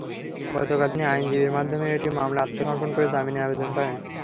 গতকাল তিনি আইনজীবীর মাধ্যমে একটি মামলায় আত্মসমর্পণ করে জামিনের আবেদন করেন।